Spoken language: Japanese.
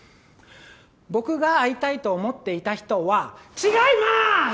僕が会いたいと思っていた人は違います！